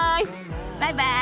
バイバイ！